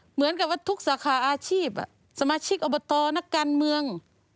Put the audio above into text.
เหมือนกับว่าทุกสาขาอาชีพสมาชิกอบตนักการเมือง